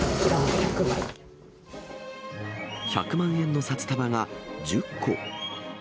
１００万円の札束が１０個。